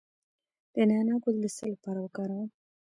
د نعناع ګل د څه لپاره وکاروم؟